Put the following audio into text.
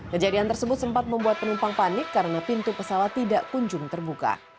kejadian tersebut sempat membuat penumpang panik karena pintu pesawat tidak kunjung terbuka